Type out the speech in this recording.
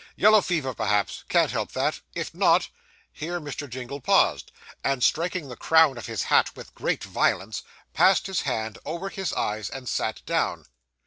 Yellow fever, perhaps can't help that if not ' Here Mr. Jingle paused, and striking the crown of his hat with great violence, passed his hand over his eyes, and sat down.